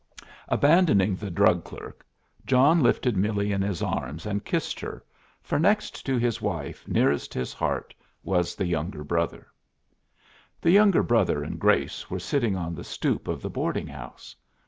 Abandoning the drug clerk, John lifted Millie in his arms and kissed her, for next to his wife nearest his heart was the younger brother. The younger brother and Grace were sitting on the stoop of the boarding house.